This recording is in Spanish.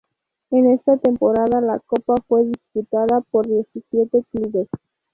En esa temporada la copa fue disputada por diecisiete clubes.